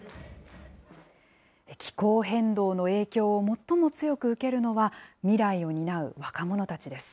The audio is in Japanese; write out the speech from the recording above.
気候変動の影響を最も強く受けるのは、未来を担う若者たちです。